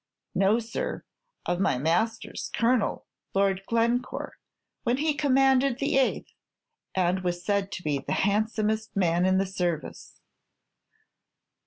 "No, sir; of my master's colonel, Lord Glencore, when he commanded the Eighth, and was said to be the handsomest man in the service."